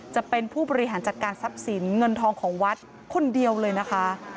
จะเป็นผู้บริหารจัดการทรัพย์สินเงินทองของวัดคนเดียวเลยนะคะ